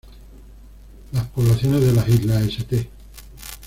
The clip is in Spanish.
Las poblaciones de las islas St.